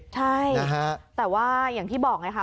ใช่แต่ว่าอย่างที่บอกไงคะ